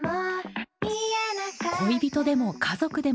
恋人でも家族でもない